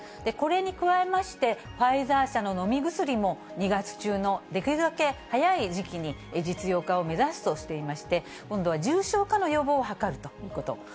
これに加えまして、ファイザー社の飲み薬も２月中のできるだけ早い時期に実用化を目指すとしていまして、今度は重症化の予防を図るということ。